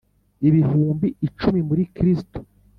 ibihumbi icumi muri kristo